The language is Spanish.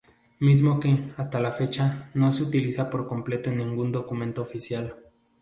Mismo que, hasta la fecha, no se utiliza por completo en ningún documento oficial.